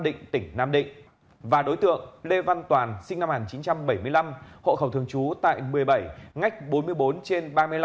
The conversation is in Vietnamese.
đối tượng lê văn toàn sinh năm một nghìn chín trăm bảy mươi năm hộ khẩu thường trú tại một mươi bảy ngách bốn mươi bốn trên ba mươi năm